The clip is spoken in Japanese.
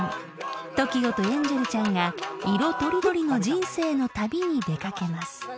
［ＴＯＫＩＯとエンジェルちゃんが色とりどりの人生の旅に出掛けます］